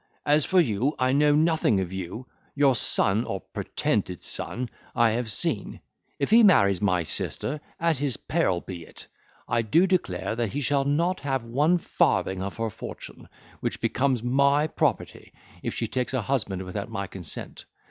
As for you, I know nothing of you. Your son, or pretended son, I have seen; if he marries my sister, at his peril be it; I do declare that he shall not have one farthing of her fortune, which becomes my property, if she takes a husband without my consent.